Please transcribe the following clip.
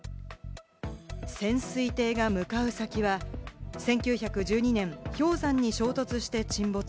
潜水艇が向かう先は、１９１２年、氷山に衝突して沈没。